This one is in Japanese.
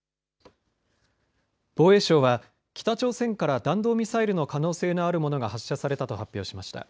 防衛省は北朝鮮から弾道ミサイルの可能性のあるものが発射されたと発表しました。